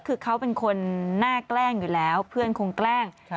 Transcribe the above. คือเขาเป็นคนหน้าแกล้งอยู่แล้วเพื่อนคงแกล้ง